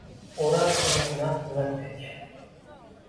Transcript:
O’rab uning naq yurakdek